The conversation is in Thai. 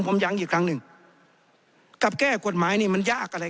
ผมย้ำอีกครั้งหนึ่งกับแก้กฎหมายนี่มันยากอะไร